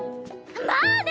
まあね。